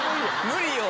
無理よ。